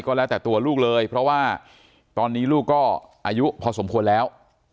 ก็แล้วแต่ตัวลูกเลยเพราะว่าตอนนี้ลูกก็อายุพอสมควรแล้ว